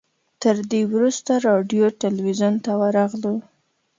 تر دې وروسته راډیو تلویزیون ته ورغلو.